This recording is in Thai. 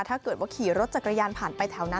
ถ้าเกิดว่าขี่รถจักรยานผ่านไปแถวนั้น